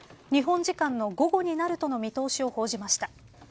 日本時間の午後になるとの見通しを報じました。